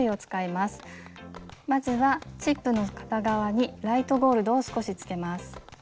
まずはチップの片側にライトゴールドを少しつけます。